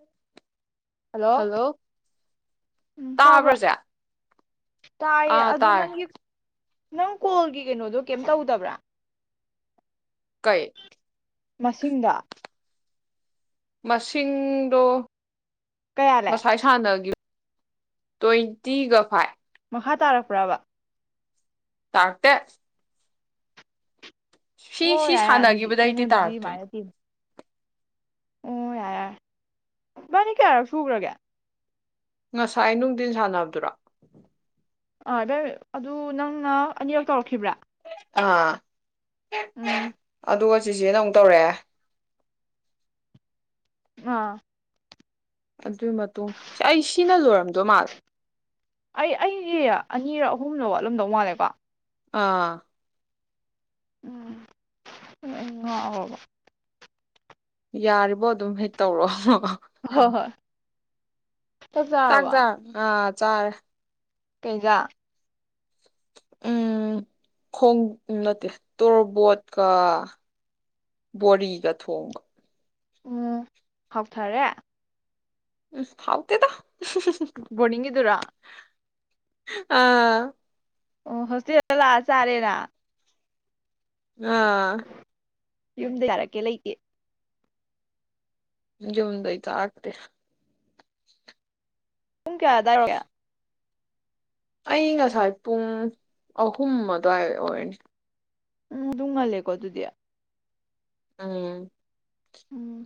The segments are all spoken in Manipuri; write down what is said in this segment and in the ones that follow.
ꯑ ꯍꯜꯂꯣ ꯎꯝ ꯇꯥꯕ꯭ꯔꯣ ꯇꯥꯕ꯭ꯔꯁꯦ ꯇꯥꯏꯌꯦ ꯑꯥ ꯑꯗꯨ ꯇꯥꯔꯦ ꯅꯪꯒꯤ ꯅꯪ ꯀꯣꯜꯒꯤ ꯀꯩꯅꯣꯗꯣ ꯀꯩꯝ ꯇꯧꯗꯕ꯭ꯔꯥ ꯀꯩ ꯃꯁꯤꯡꯗ ꯃꯁꯤꯡꯗꯣ ꯀꯌꯥꯂꯦ ꯉꯁꯥꯏ ꯁꯥꯟꯅꯒꯤ ꯇ꯭ꯋꯦꯟꯇꯤꯒ ꯐꯥꯏꯐ ꯃꯈꯥ ꯇꯥꯔꯛꯄ꯭ꯔꯕ ꯇꯥꯔꯛꯇꯦ ꯁꯤ ꯑꯣ ꯁꯤ ꯌꯥ ꯌꯥꯔꯦ ꯑꯗꯨꯗꯤ ꯁꯥꯟꯅꯈꯤꯕꯗꯩꯗꯤ ꯑꯩꯉꯣꯟꯗꯗꯤ ꯇꯥꯔꯛꯇꯣꯏꯅꯦ ꯑꯗꯨꯃꯥꯏꯅ ꯇꯦ ꯑꯣ ꯌꯥꯔꯦ ꯌꯥꯔꯦ ꯏꯕꯥꯅꯤ ꯀꯌꯥꯔꯛ ꯁꯨꯈ꯭ꯔꯒꯦ ꯉꯁꯥꯏ ꯅꯨꯡꯊꯤꯟ ꯁꯥꯟꯅꯕꯗꯨꯔꯥ ꯑ ꯑꯗꯨ ꯅꯪꯅ ꯑꯅꯤꯔꯛ ꯇꯧꯔꯛꯈꯤꯕ꯭ꯔꯥ ꯑꯥ ꯎꯝ ꯑꯗꯨꯒ ꯆꯤꯆꯦꯅ ꯑꯃꯨꯛ ꯇꯧꯔꯦ ꯑꯥ ꯑꯗꯨꯒꯤ ꯃꯇꯨꯡꯗ ꯑꯁ ꯑꯩ ꯁꯤꯅ ꯂꯣꯏꯔꯝꯗꯣꯏ ꯃꯥꯜꯂꯦ ꯑꯩ ꯑꯩꯗꯤ ꯑꯅꯤꯔ ꯑꯍꯨꯝꯂ ꯋꯥꯠꯂꯝꯗꯧ ꯃꯥꯜꯂꯦꯀꯣ ꯑꯥ ꯎꯝ ꯎꯝ ꯑꯩ ꯉꯥꯎꯔꯕ ꯌꯥꯔꯤꯕꯣ ꯑꯗꯨꯝ ꯍꯦꯛ ꯇꯧꯔꯣꯑꯣ ꯍꯣꯏ ꯍꯣꯏ ꯆꯥꯛ ꯆꯥꯡ ꯆꯥꯔꯕꯣ ꯆꯥ ꯑ ꯆꯥꯔꯦ ꯀꯩ ꯍꯤꯡꯖꯥꯡ ꯎꯝ ꯈꯣꯡ ꯅꯠꯇꯦ ꯇꯣꯔꯕꯣꯠꯀ ꯕꯣꯔꯤꯒ ꯊꯣꯡꯕ ꯎꯝ ꯍꯥꯎꯊꯔꯦ ꯎꯝ ꯍꯥꯎ ꯇꯦꯗ ꯕꯣꯅꯤꯡꯒꯤꯗꯨꯔꯥ ꯑꯥ ꯑꯣ ꯍꯣꯁꯇꯦꯜꯗ ꯂꯥꯛꯑ ꯆꯥꯔꯦꯔ ꯑꯥ ꯌꯨꯝꯗ ꯌꯥꯔꯛꯀꯦ ꯂꯩꯇꯦ ꯌꯨꯝꯗꯩ ꯀꯥꯔꯛꯇꯦ ꯄꯨꯡ ꯀꯌꯥ ꯑꯗꯥꯏ ꯑꯣꯏꯒꯦ ꯑꯩ ꯉꯁꯥꯏ ꯄꯨꯡ ꯑꯍꯨꯝ ꯑꯗꯨꯋꯥꯏ ꯑꯣꯏꯔꯅꯤ ꯎꯝ ꯑꯗꯨꯝ ꯉꯜꯂꯦꯀꯣ ꯑꯗꯨꯗꯤ ꯑꯝ ꯎꯝ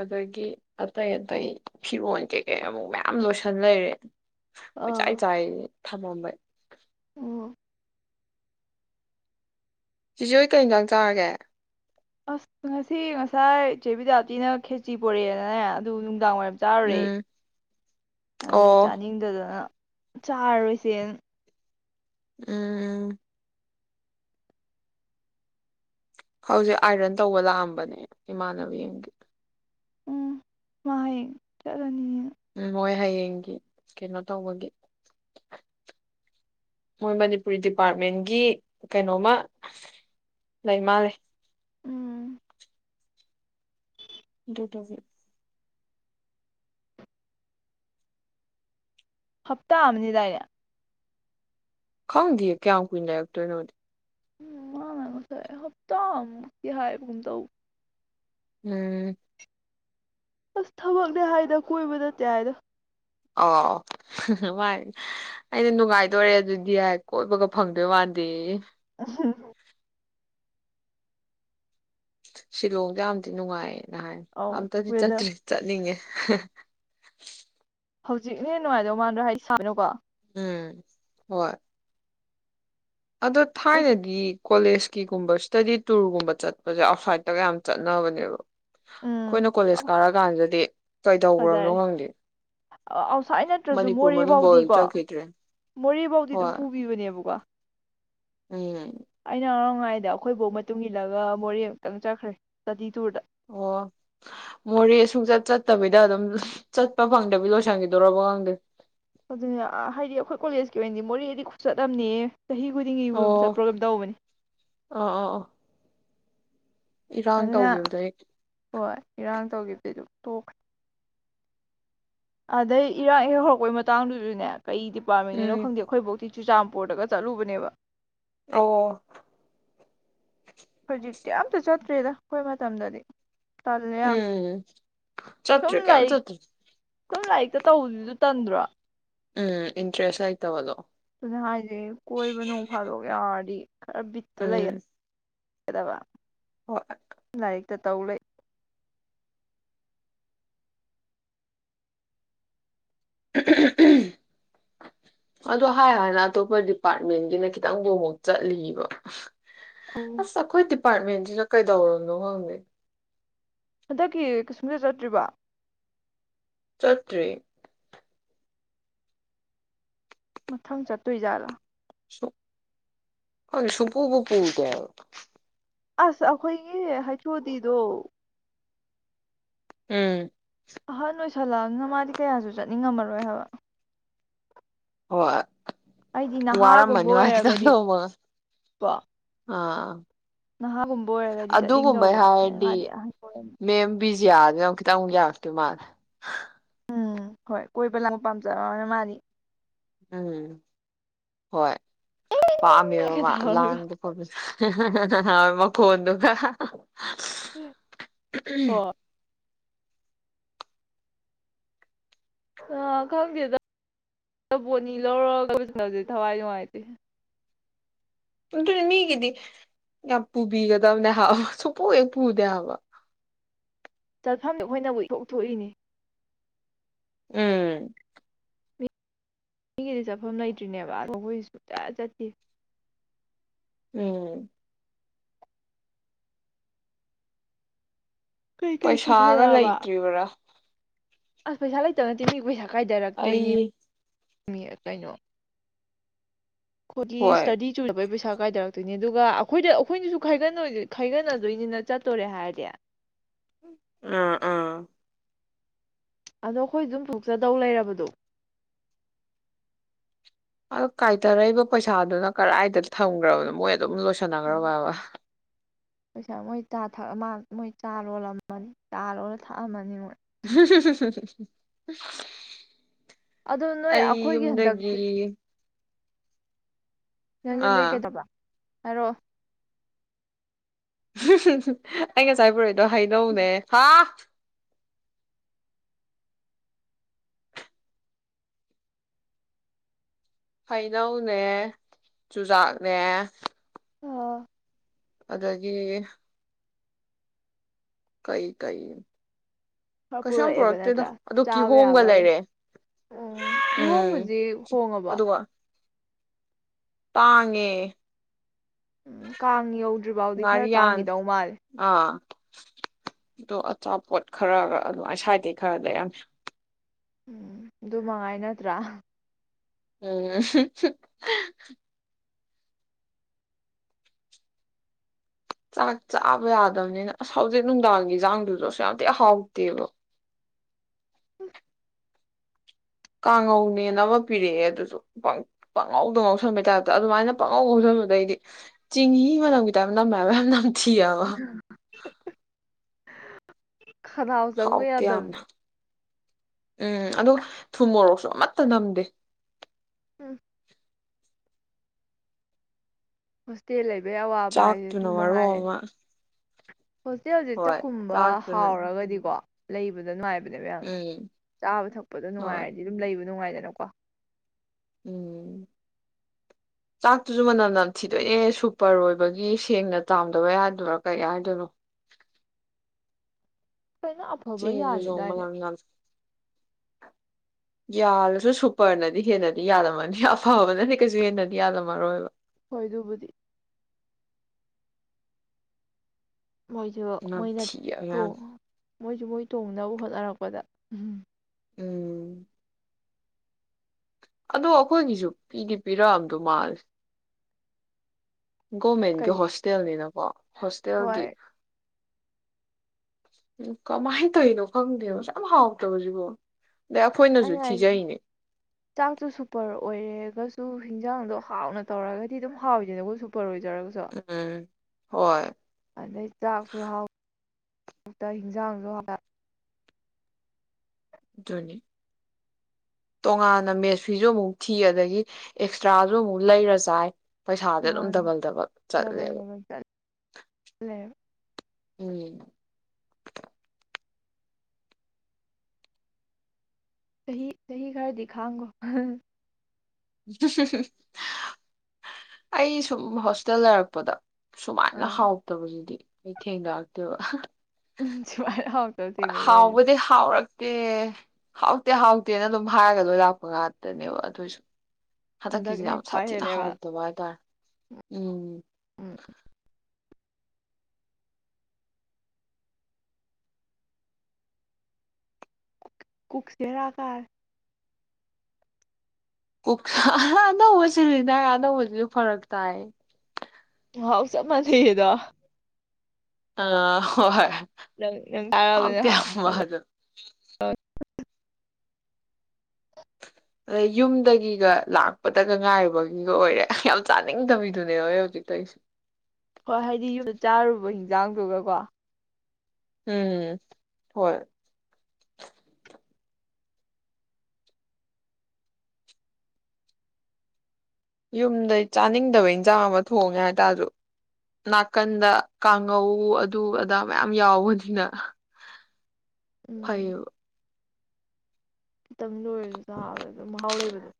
ꯑꯗꯒꯤ ꯑꯇꯩ ꯑꯇꯩ ꯐꯤꯔꯣꯟꯜ ꯀꯩ ꯀꯩ ꯑꯃꯨꯛ ꯃꯌꯥꯝ ꯂꯣꯏꯁꯟ ꯂꯩꯔꯦ ꯀꯣꯏ ꯆꯥꯏ ꯆꯥꯏ ꯊꯃꯣꯩ ꯑꯣ ꯁꯤꯁꯦ ꯍ ꯀꯩ ꯌꯦꯟꯖꯥꯡ ꯆꯥꯔꯒꯦ ꯑꯁ ꯉꯁꯤ ꯉꯁꯥꯏ ꯏꯆꯦꯕꯤꯗꯥꯞꯇꯤꯅ ꯈꯦꯆꯤ ꯄꯨꯣꯔꯛꯑꯦꯅꯅꯦ ꯑꯗꯨ ꯅꯨꯡꯗꯥꯡ ꯋꯥꯏꯔꯝ ꯆꯥꯔꯨꯔꯦ ꯎꯝ ꯑꯗꯨꯩ ꯑꯣ ꯆꯥꯅꯤꯡꯗꯗꯅ ꯆꯥꯔꯣꯏꯁꯦ ꯎꯝ ꯎꯝ ꯍꯧꯖꯤꯛ ꯑꯥꯏꯔꯟ ꯇꯧꯕ ꯂꯥꯛꯑꯝꯕꯅꯦ ꯏꯃꯥꯟꯕꯤꯒꯤ ꯎꯝ ꯃꯥ ꯆꯔꯅꯤ ꯎꯝ ꯃꯣꯏ ꯍꯌꯦꯡꯒꯤ ꯀꯩꯅꯣ ꯇꯧꯕꯒꯤ ꯃꯣꯏ ꯃꯅꯤꯄꯨꯔꯤ ꯗꯤꯄꯥꯔꯠꯃꯦꯟꯒꯤ ꯀꯩꯅꯣꯃ ꯂꯩ ꯃꯥꯂꯦ ꯎꯝ ꯑꯗꯨ ꯑꯗꯨꯕꯤ ꯍꯞꯇꯥ ꯑꯅꯤꯗꯥꯔꯌꯥ ꯈꯥꯎꯗꯦ ꯀꯌꯥ ꯀꯨꯅꯛꯇꯅꯗꯤ ꯎ ꯃꯥ ꯉꯁꯦ ꯁꯞꯇꯝ ꯀ ꯍꯥꯏꯥꯏ ꯀꯨꯝꯨꯝ ꯇꯧ ꯎꯝ ꯑꯁ ꯊꯕꯛꯅꯦ ꯍꯥꯏꯗ ꯀꯣꯏꯕ ꯅꯠꯇꯦ ꯍꯥꯏꯗꯣ ꯑꯣ ꯥꯏ ꯑꯩꯅ ꯅꯨꯡꯉꯥꯏꯗꯣꯔꯦ ꯑꯗꯨꯗꯤ ꯀꯣꯏꯕꯒ ꯐꯪꯗꯣꯏ ꯃꯥꯟꯗꯤꯦ ꯎ ꯁꯤꯂꯣꯡꯗ ꯌꯥꯝꯗꯤ ꯅꯨꯡꯉꯥꯏꯌꯦ ꯉꯍꯥꯏ ꯑꯧ ꯑꯝꯇꯗꯤ ꯋꯦꯗꯔ ꯆꯠꯇ꯭ꯔꯤ ꯆꯠꯅꯤꯡꯉꯦ ꯍ ꯍꯧꯖꯤꯛꯅ ꯍꯦꯟꯅ ꯅꯨꯡꯉꯥꯏꯗꯧ ꯃꯥꯟꯗ꯭ꯔꯣ ꯍꯥꯏ ꯁꯥꯃꯤꯅꯨꯀꯣ ꯎꯝ ꯍꯣꯏ ꯑꯗꯣ ꯊꯥꯏꯅꯗꯤ ꯀꯣꯂꯦꯖꯀꯤꯒꯨꯝꯕ ꯏꯁꯇꯗꯤ ꯇꯨꯔꯒꯨꯝꯕ ꯆꯠꯄꯁꯦ ꯑꯥꯎꯠꯁꯥꯏꯗꯠꯇꯒ ꯌꯥꯝ ꯆꯠꯅꯕꯅꯦꯕ ꯎꯝ ꯑꯩꯈꯣꯏꯅ ꯀꯣꯂꯦꯖ ꯀꯥꯔ ꯀꯥꯟꯗꯗꯤ ꯐꯖꯔꯦ ꯑꯥꯎꯠꯁꯥꯏꯠ ꯅꯠꯇ꯭ꯔꯁꯨ ꯃꯅꯤꯄꯨꯔ ꯃꯣꯔꯦ ꯃꯅꯨꯡꯐꯥꯎ ꯐꯥꯎꯗꯤꯀꯣ ꯆꯠꯈꯤꯗ꯭ꯔꯦ ꯃꯣꯔꯦ ꯐꯥꯎꯗꯤ ꯑꯗꯨꯝ ꯍꯣꯏ ꯄꯨꯕꯤꯕꯅꯦꯕꯀꯣ ꯎꯝ ꯑꯩꯅ ꯉꯔꯥꯡꯉꯥꯏꯗ ꯑꯩꯈꯣꯏꯐꯧ ꯃꯇꯨꯡ ꯏꯜꯂꯒ ꯃꯣꯔꯦ ꯑꯃꯨꯛꯇꯪ ꯆꯠꯈ꯭ꯔꯦꯇꯤ ꯇꯨꯔꯗ ꯑꯣ ꯃꯣꯔꯦ ꯁꯨꯡꯆꯠ ꯆꯠꯇꯕꯤꯗ ꯑꯗꯨꯝ ꯆꯠꯄ ꯐꯪꯗꯕꯤ ꯂꯣꯏꯁꯟꯈꯤꯗꯔꯕ ꯈꯪꯗꯦ ꯑꯗꯨꯅꯦ ꯍꯥꯏꯗꯤ ꯑꯩꯈꯣꯏ ꯀꯣꯂꯦꯖꯀꯤ ꯑꯣꯏꯅꯗꯤ ꯃꯣꯔꯦꯗꯤ ꯈꯨꯆꯠꯂꯝꯅꯤ ꯆꯍꯤ ꯈꯨꯗꯤꯡꯒꯤ ꯑꯣ ꯌꯕ ꯆ ꯄ꯭ꯔꯣꯒ꯭ꯔꯥꯝ ꯇꯧꯕꯅꯤ ꯑꯥ ꯑꯥ ꯑꯥ ꯏꯔꯥꯡ ꯇꯧꯈꯤꯕꯗꯣ ꯍ ꯍꯣꯏ ꯏꯔꯥꯡ ꯇꯧꯈꯤꯕꯗꯤ ꯑꯗꯨ ꯇꯣꯛꯈ꯭ꯔꯦ ꯑꯗꯩ ꯏꯔꯥꯡꯦꯛ ꯍꯧꯔꯛꯄꯩ ꯃꯇꯥꯡꯗꯨꯁꯨꯅꯦ ꯀꯩ ꯎꯝ ꯗꯤꯄꯥꯔꯠꯃꯒꯤꯦꯣ ꯈꯪꯗꯦ ꯑꯩꯈꯣꯏꯐꯥꯎꯗꯤꯤ ꯆꯨꯔꯆꯥꯟꯄꯨꯔꯗꯒ ꯆꯠꯂꯨꯕꯅꯦꯕ ꯑꯣ ꯍꯧꯖꯤꯛꯇꯤ ꯑꯇ ꯆꯠꯇ꯭ꯔꯦꯗ ꯑꯩꯈꯣꯏ ꯃꯇꯝꯗꯗꯤ ꯇꯂꯂꯤꯌꯥ ꯎꯝ ꯁꯨꯝ ꯆꯠꯇ꯭ꯔꯤ ꯀꯩꯝ ꯂꯥꯏꯛ ꯆꯠꯇ꯭ꯔꯤ ꯁꯨꯝ ꯂꯥꯏꯔꯤꯛꯇ ꯇꯧꯕꯗꯨꯁꯨ ꯇꯟꯗ꯭ꯔꯣ ꯎꯝ ꯏꯟꯇ꯭ꯔꯦꯁ ꯑꯥꯏꯇꯕꯂꯣ ꯑꯗꯨꯅ ꯍꯥꯏꯁꯦ ꯀꯣꯏꯕ ꯅꯣꯡ ꯐꯥꯗꯣꯛ ꯌꯥꯔꯗꯤ ꯈꯔꯕꯤꯠꯇꯨ ꯂꯩ ꯎꯝ ꯀꯗꯕ ꯍꯣꯏ ꯂꯛ ꯠꯇ ꯇꯧꯂ ꯑꯣ ꯍꯥꯏꯥꯟꯅ ꯑꯇꯣꯞꯄ ꯗꯤꯄꯥꯔꯠꯃꯦꯟꯒꯤꯅ ꯈꯤꯇꯪꯕꯨ ꯑꯃꯨꯛ ꯆꯠꯂꯤꯕ ꯑꯧ ꯑꯁ ꯑꯩꯈꯣꯏ ꯗꯤꯄꯥꯔꯠꯃꯦꯟꯁꯤ ꯀꯩꯗꯧꯔꯅꯣ ꯈꯪꯗꯦ ꯍꯟꯗꯛꯀꯤ ꯀꯩꯁꯨꯝꯗ ꯆꯠꯇ꯭ꯔꯤꯕ ꯆꯠꯇ꯭ꯔꯤ ꯃꯊꯪ ꯆꯠꯇꯣꯏ ꯖꯥꯠꯂꯥ ꯁꯨꯄ ꯄꯨꯄꯨ ꯀ ꯑꯁ ꯑꯩꯈꯣꯏꯒꯤ ꯍꯥꯏꯆꯣꯗꯤꯗꯣ ꯎꯝ ꯑꯍꯟ ꯑꯣꯏꯁꯜꯂꯛꯑꯅꯤꯅ ꯃꯥꯗꯤ ꯀꯌꯥꯁꯨ ꯆꯠꯅꯤꯡꯉꯝꯃꯔꯣꯏ ꯍꯥꯏꯕ ꯍꯣꯏ ꯑꯩꯗꯤ ꯅꯍꯥꯒꯨꯝꯕ ꯋꯥꯔꯝꯕꯅꯤ ꯃꯥꯒꯤ ꯑꯣꯏꯔꯒꯗꯤꯀꯣ ꯆꯗꯃ ꯑ ꯅꯍꯥꯒꯨꯝꯕ ꯑꯣꯏꯔꯒꯗꯤ ꯆꯠꯅꯤꯡꯗꯧꯕ ꯃꯥꯗꯤ ꯑꯍ ꯑꯣꯏꯔꯝꯅꯤ ꯌꯥꯗ ꯃ ꯀꯇ ꯑ ꯌꯥꯇ ꯃꯥꯔ ꯎꯝ ꯍꯣꯏ ꯀꯣꯏꯕ ꯂꯥꯡꯕ ꯄꯥꯝꯖꯕꯅ ꯃꯥꯅꯤ ꯎꯝ ꯍꯣꯏ ꯋꯥꯃꯦ ꯏꯪꯅꯦꯒ ꯋꯥ ꯇꯧꯔꯒ ꯂꯥꯡꯗ ꯃ ꯀꯗꯨꯒ ꯍ ꯑꯥ ꯈꯪꯗꯦꯗ ꯄꯣꯠꯅꯤ ꯂꯧꯔꯒꯁꯦ ꯊꯋꯥꯏ ꯅꯨꯡꯉꯥꯏꯇꯦ ꯑꯗꯨꯅꯤ ꯃꯤꯒꯤꯗꯤ ꯌꯥꯝ ꯄꯨꯕꯤꯒꯗꯕꯅꯦ ꯍꯥꯏꯕ ꯁꯨꯡꯄꯣꯛ ꯍꯦꯛ ꯄꯨꯗꯦ ꯍꯥꯏꯕ ꯆꯠꯐꯝꯗꯨ ꯑꯩꯈꯣꯏꯅꯕꯨ ꯏꯊꯣꯛ ꯊꯣꯛꯏꯅꯦ ꯎꯝ ꯃꯤꯒꯤꯗꯤ ꯆꯠꯐꯝ ꯂꯩꯇ꯭ꯔꯤꯅꯦꯕ ꯑꯩꯈꯣꯏꯁꯤꯁꯨꯖ ꯆꯠꯇꯦ ꯎꯝ ꯀꯩꯀꯩ ꯄꯩꯁꯥꯒ ꯄꯨꯊꯔꯛꯑꯕ ꯂꯩꯇ꯭ꯔꯤꯕ꯭ꯔꯥ ꯑꯁ ꯄꯩꯁꯥ ꯂꯩꯇꯅꯦꯃꯤ ꯄꯩꯁꯥ ꯀꯥꯏꯗꯔꯛꯇꯣꯏꯅꯤ ꯑꯩ ꯃꯤ ꯀꯩꯅꯣ ꯈꯨꯒꯤ ꯍꯣꯏ ꯁꯇꯗꯤ ꯆꯨꯔ ꯕꯩ ꯄꯩꯁꯥ ꯀꯥꯏꯗꯔꯛꯇꯣꯏꯅꯦ ꯑꯗꯨꯒ ꯑꯩꯈꯣꯏꯗ ꯑꯩꯈꯣꯏꯅꯁꯨ ꯈꯥꯏꯒꯠꯅꫭꯏꯒꯦ ꯈꯥꯏꯒꯠꯅꯗꯣꯏꯅꯤꯅ ꯆꯠꯇꯣꯔꯦ ꯍꯥꯏꯔꯗꯤ ꯑꯥ ꯑꯥ ꯑꯗꯣ ꯑꯩꯈꯣꯏ ꯑꯗꯨꯝ ꯄꯣꯛꯆꯗꯧ ꯂꯩꯔꯕꯗꯣ ꯑ ꯀꯥꯏꯊꯔꯛꯏꯕ ꯄꯩꯁꯥꯗꯨꯅ ꯀꯗꯥꯏꯗ ꯊꯝꯈ꯭ꯔꯕꯅꯣ ꯃꯣꯏ ꯑꯗꯨꯝ ꯂꯣꯏꯁꯟꯅꯈ꯭ꯔꯕꯥꯕ ꯄꯩꯁꯥ ꯃꯣꯏ ꯆꯥ ꯊꯛꯑ ꯃꯤꯜ ꯃꯣꯏ ꯆꯥ ꯂꯣꯜꯂꯝꯝꯃꯅꯤ ꯆꯥ ꯂꫭꯜꯂ ꯊꯛꯑꯝꯃꯅꯤ ꯃꯣꯏ [inaudible] [inaudible] ꯑꯗꯨ ꯅꯣꯏ ꯑꯩ ꯑꯩꯈꯣꯏꯒꯤ ꯌꯨꯝꯗꯒꯤ ꯍꯟꯗꯛꯇꯤ ꯅꯪ ꯌꯨꯝꯗꯩ ꯑꯥ ꯀꯩꯗꯧꯕ ꯍꯥꯏꯔꯑꯣ ꯑꯩ ꯉꯥꯁꯥꯏ ꯄꫭꯔꯛꯏ ꯗꯣ ꯍꯩꯅꯧꯅꯦ ꯍꯥ ꯍꯩꯅꯧꯅꯦ ꯆꯨꯖꯥꯛꯅꯦ ꯑꯣ ꯑꯗꯒꯤ ꯀꯩ ꯀꯩ ꯈꯔ ꯀꯩꯁꯨ ꯌꯥꯝ ꯄꯨꯔꯛꯑꯦꯕ ꯄꯨꯔꯛꯇꯦꯗ ꯅꯠꯇ꯭ꯔꯥ ꯑꯗꯣ ꯆꯥꯕ ꯀꯤꯍꯣꯝꯒ ꯌꯥꯕꯒꯩ ꯂꯩꯔꯦ ꯎꯝ ꯀꯤꯍꯣꯝ ꯎꯝ ꯍꯧꯖꯤꯛ ꯍꯣꯡꯉꯕꫭ ꯑꯗꯨꯒ ꯇꯥꯡꯉꯦ ꯎꯝ ꯀꯥꯡ ꯌꯧꯗ꯭ꯔꯤ ꯕꯥꯎꯗꯤ ꯈꯔ ꯉꯥꯔꯤꯌꯥꯟ ꯇꯥꯡꯒꯤꯗꯧ ꯃꯥꯜꯂꯦ ꯑꯥ ꯑꯗꯣ ꯑꯆꯥꯄꯣꯠ ꯈꯔꯒ ꯑꯗꯨꯃꯥꯏꯅ ꯁꯋꯥꯏꯗꯩ ꯈꯔ ꯂꯩꯔꯝꯃꯦ ꯎꯝ ꯑꯗꯨ ꯃꯉꯥꯏ ꯅꯠꯇ꯭ꯔꯥ ꯎꯝ ꯆꯥꯛ ꯆꯥꯕ ꯌꯥꯗꯕꯅꯤꯅ ꯑꯁ ꯍꯧꯖꯤꯛ ꯅꯨꯡꯗꯥꯡꯒꯤ ꯏꯖꯥꯡꯗꯨꯁꯨ ꯌꯥꯝꯊꯤ ꯍꯥꯎꯇꯦꯕ ꯀꯥꯡꯉꯧꯅꯦꯅ ꯑꯃ ꯄꯤꯔꯛꯑꯦ ꯑꯗꯨꯁꯨ ꯄꯉꯧꯗ ꯉꯧꯁꯟꯕꯩ ꯇꯥꯏꯞꯇ ꯑꯗꯨꯃꯥꯏꯅ ꯄꯉꯧ ꯉꯧꯁꯟꯕꯗꫭ ꯑꯩꯗꯤ ꯆꯤꯡꯍꯤ ꯃꯅꯝꯒꯤ ꯇꯥꯏꯞ ꯅꯝꯃꯦꯕ ꯍꯥꯏꯕ ꯌꯥꯝꯅ ꯊꯤ ꯑꯉꫭ ꯍ ꯈꯔꯥꯎ ꯆꯪꯉꯨ ꯌꯥꯝꯅ ꯌꯥꯗꯕꯗꯣ ꯎꯝ ꯑꯗꯨ ꯊꯨꯝ ꯃꯣꯔꯣꯛꯁꯨ ꯑꯃꯠꯇ ꯅꯝꯗꯦ ꯎꯝ ꯍꫭꯁꯇꯦꯜ ꯂꯩꯕ ꯕꯩ ꯑꯋꯥꯕ ꯍꯥꯏꯁꯦ ꯑꯗꯨ ꯆꯥꯛꯇꯨꯅ ꯃꯔꯣꯟ ꯃꯉꯥꯏꯔꯦ ꯑꯃ ꯍꯣꯁꯇꯦꯜꯁꯦ ꯍꯣꯏ ꯆꯥꯛꯀꯨꯝꯕ ꯆꯥꯛꯇꯨꯅ ꯍꯥꯎꯔꯒꯗꯤꯀꯣ ꯂꯩꯕꯗ ꯅꯨꯡꯉꯥꯏꯕ ꯎꯝ ꯆ ꯊꯛ ꯍꯣꯏ ꯅꯨꯡꯉꯥꯏꯔꯗꯤ ꯂꯩ ꯅꯨꯡꯉꯥꯏꯗꯅꯀꯣ ꯎꯝ ꯆꯥꯛꯇꯨꯁꯨ ꯃꯅꯝ ꯅꯝ ꯊꯤꯗꯣꯛꯦ ꯁꯨꯄꯔ ꯑꯣꯏꯕꯒꯤ ꯁꯦꯡꯅ ꯆꯥꯝꯗꯕ ꯌꯥꯗꯣꯏꯔꯥ ꯀꯩ ꯍꯥꯏꯗꯣꯏꯔꯣ ꯂꯣꯏꯅ ꯑꯐꯕ ꯆꯦꯟꯖꯖꯣꯡꯕ ꯌꯥꯜꯂꯤꯗꯥꯏꯅꯦ ꯌꯥꯜꯂꯁꯨ ꯁꯨꯄꯔꯅꯗꯤ ꯍꯦꯟꯅꯗꯤ ꯌꯥꯜꯂꯝꯃꯅꯤ ꯑꯐꯕꯅꯗꯤ ꯀꯩꯁꯨ ꯍꯦꯟꯅꯗꯤ ꯌꯥꯜꯂꯝꯃꯔꯣꯏꯕ ꯍꯣꯏ ꯑꯗꯨꯕꯨꯗꯤ ꯃꯣꯏꯁꯨ ꯃꯣꯏꯅ ꯅꯝꯊꯤꯑꯕ ꯌꯥꯝ ꯇꯣꯡ ꯃꯣꯏꯁꯨ ꯃꯣꯏ ꯇꯣꯡꯅꯕ ꯍꯣꯠꯅꯔꯛꯄꯗ ꯎꯝ ꯎꯝ ꯑꯗꯣ ꯑꯩꯈꯣꯏꯒꯤꯁꯨ ꯄꯤꯗꯤ ꯄꯤꯔꯛꯑꯝꯗꯣ ꯃꯥꯜꯂꯦ ꯣꯔꯃꯦꯟꯒꯤ ꯀꯩ ꯍꯣꯁꯇꯦꯜꯅꯤꯅ ꯋꯥ ꯍꯣꯁꯇꯦꯜꯦꯜꯒꯤ ꯍꯣꯏ ꯎ ꯀꯃꯥꯏꯅ ꯇꯧꯔꯤꯅꯣ ꯈꯪꯗꯦꯕꯁ ꯌꯥꯝ ꯍꯥꯎꯇ ꯁꯤꯕꯣ ꯑ ꯆꯥꯛꯇꯨ ꯁꯨꯄꯔ ꯑꯣꯏꯔꯦ ꯔꯒꯁꯨ ꯍꯤꯟꯖꯥꯡꯗꯣ ꯍꯥꯎꯅ ꯇꯧꯔꯒꯗꯤ ꯑꯗꯨꯝ ꯍꯥꯎꯋꯅꯤꯅꯒꯁꯨ ꯄꯔꯣꯏ ꯎꯝ ꯍꯣꯏ ꯑꯗꯩ ꯆꯥꯛꯁꯨ ꯍꯥꯎ ꯍꯟꯖꯥꯡꯁꯨ ꯍ ꯑꯗꯨꯅꯤ ꯇꯣꯉꯥꯟꯅ ꯃꯦꯠꯁ ꯐꯤꯁꯨ ꯑꯃꯨꯛ ꯊꯤ ꯑꯗꯒꯤ ꯑꯦꯛꯁꯇ꯭ꯔꯥꯁꯨ ꯑꯃꯨꯛ ꯂꯩꯔ ꯆꯥꯏ ꯄꯩꯁꯥꯥꯁ ꯑꯗꯨꯝ ꯃꯥꯅꯤ ꯗꯕꯜ ꯗꯕꯜ ꯗꯕꯜ ꯆꯠꯂꯦꯕ ꯗꯕꯜ ꯆꯠ ꯂꯩꯔꯦꯕ ꯎꯝ ꯆꯍꯤꯍꯤ ꯁꯍꯤ ꯈꯔ ꯈꯥꯒꯣ ꯑꯩ ꯁꯨꯝ ꯍꯣꯁꯇꯦꯜ ꯂꯩꯔꯛꯄꯗ ꯑꯥ ꯁꯨꯃꯥꯏꯅ ꯍꯥꯎꯇꯕꯁꯤꯗꯤ ꯑꯩꯊ ꯍꯗ ꯍꯥꯏꯥꯛꯇꯕ ꯎꯝ ꯁꯤ ꯍꯣꯏ ꯍꯥꯎꯕꯗꯤ ꯍꯥꯎꯔ ꯗꯦ ꯍꯥꯎꯇꯦ ꯍꯥꯎꯇꯦꯅ ꯑꯗꯨꯝ ꯍꯥꯏꯔꯒ ꯂꯣꯏ ꯂꯥꯛꯄ ꯉꯥꯛꯇꯅꯦꯕ ꯑꯗꯨꯏꯁꯨ ꯍꯟꯗꯛꯀꯤꯁꯤꯅ ꯍꯟꯗꯛꯅ ꯌꯥꯝ ꯈ꯭ꯋꯥꯏ ꯁꯥꯊꯤꯅ ꯍꯦꯜꯂꯦꯕ ꯍꯥꯎꯗꯕ ꯍꯥꯏꯇꯥꯔꯦ ꯎꯝ ꯎꯝ ꯀꯨꯛꯆꯦꯔꯥꯀ ꯑꯅꯧꯕꯁꯤꯅꯥ ꯑꯅꯧꯕꯁꯤꯁꯨ ꯐꯔꯛ ꯇꯥꯏ ꯍꯥꯎ ꯆꯅ ꯊꯗ ꯑ ꯍ ꯍꯣꯏ ꯍꯥꯎꯇꯦ ꯌꯥꯝ ꯑꯗꯨꯝ ꯥ ꯑꯗꯩ ꯌꯨꯝꯗꯒꯤꯒ ꯂꯥꯛꯄꯗꯒ ꯉꯥꯏꯕꯒꯤꯒ ꯑꯣꯏꯔꯦ ꯌꯥꯝ ꯆꯥꯅꯤꯡꯗꯃꯤꯗꯨꯅꯦ ꯍꯣꯏ ꯍꯧꯖꯤꯛꯇꯒꯤꯁꯨ ꯍꯣꯏ ꯍꯥꯏꯗꯤ ꯌꯨꯝꯗ ꯆꯥꯔꯨꯕ ꯍꯤꯟꯖꯥꯡꯗꯨꯒꯀꯣ ꯎꯝꯝ ꯍꯣꯏ ꯌꯨꯝꯗꯩ ꯆꯥꯅꯤꯡꯗꯕ ꯏꯟꯁꯥꯡ ꯑꯃ ꯊꯣꯡꯉꯦ ꯍꯥꯏꯇꯥꯔꯁꯨ ꯅꯥꯀꯟꯗ ꯀꯥꯡꯉꯧ ꯑꯗꯨ ꯑꯗꯥ ꯃꯌꯥꯝ ꯌꯥꯎꯕꯅꯤꯅ ꯎꯝ ꯐꯩꯌꯦꯕ ꯈꯤꯇꯪ ꯂꯣꯏꯔꯁꯨ ꯆꯥꯕꯗ ꯑꯗꯨꯝ ꯃꯍꯥꯎ ꯂꯩꯕꯗꯣ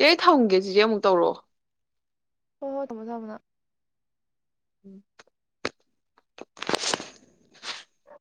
ꯏꯆꯦ ꯊꯝꯒꯦ ꯆꯆꯦ ꯑꯃꯨꯛ ꯇꯧꯔꯛꯑꯣ ꯍꯣꯏ ꯍꯣꯏ ꯇꯃꯣ ꯊꯕꯅ ꯎꯝ ꯑ